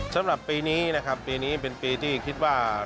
สำหรับปีนี้นะครับปีนี้เป็นปีที่คิดว่า